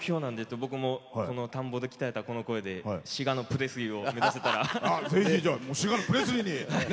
僕も鍛えた、この声で滋賀のプレスリーを目指せたら。